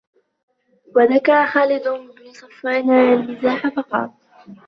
وَذَكَرَ خَالِدُ بْنُ صَفْوَانَ الْمِزَاحَ فَقَالَ